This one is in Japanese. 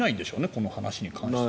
この話に関しては。